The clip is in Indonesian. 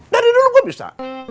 dari dulu gue bisa